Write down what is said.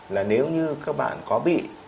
là nếu như các bạn có bị